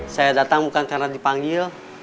saya datang bukan karena dipanggil